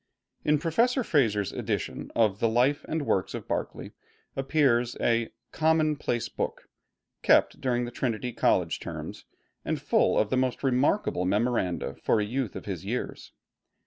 In Professor Fraser's edition of the 'Life and Works of Berkeley' appears a 'Common Place Book,' kept during the Trinity College terms, and full of most remarkable memoranda for a youth of his years.